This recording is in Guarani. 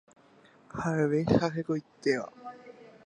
Ha'eve ha hekoitéva.